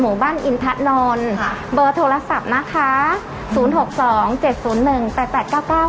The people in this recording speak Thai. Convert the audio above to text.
บ้านอินทะนนท์ค่ะเบอร์โทรศัพท์นะคะศูนย์หกสองเจ็ดศูนย์หนึ่งแปดแปดเก้าเก้า